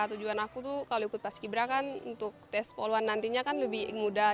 tujuan aku tuh kalau ikut paskibra kan untuk tes poluan nantinya kan lebih mudah